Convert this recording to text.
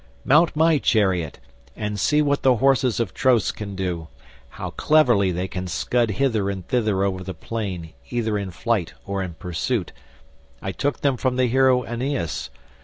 Mount my chariot and see what the horses of Tros can do—how cleverly they can scud hither and thither over the plain either in flight or in pursuit. I took them from the hero Aeneas.